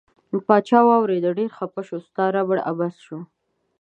پاچا واوریده ډیر خپه شو ستا ربړ عبث شو.